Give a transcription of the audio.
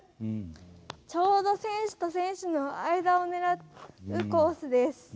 ちょうど選手と選手の間を狙うコースです。